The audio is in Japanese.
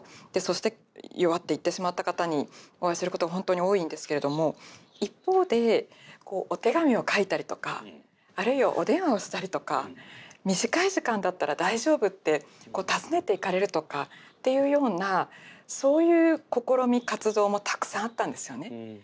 そして弱っていってしまった方にお会いすることが本当に多いんですけれども一方でお手紙を書いたりとかあるいはお電話をしたりとか短い時間だったら大丈夫って訪ねていかれるとかっていうようなそういう試み活動もたくさんあったんですよね。